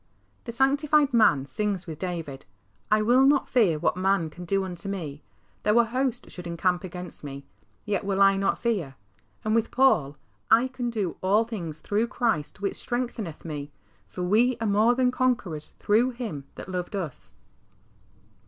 The sanctified man sings with David, " I will not fear what man can do unto me ; though a host should encamp against me, yet will I not fear." And with Paul, " I can do all things through Christ which strengtheneth me, for we are more than conquerors through Him that loved us."